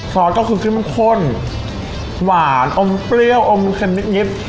ซอสก็คือเข้มข้นหวานอมเปรี้ยวอมเค็มนิด